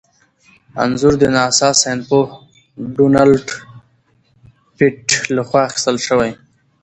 انځور د ناسا ساینسپوه ډونلډ پېټټ لخوا اخیستل شوی.